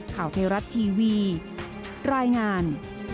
ข่าวไทยรัฐทีวีรายงาน